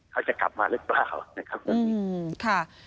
เขาจะกลับมาหรือเปล่า